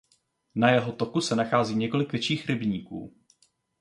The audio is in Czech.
Na jeho toku se nachází několik větších rybníků.